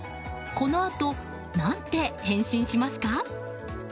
このあと、何て返信しますか？